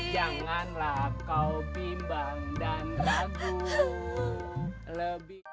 janganlah kau bimbang dan ragu